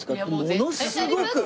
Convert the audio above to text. ものすごく。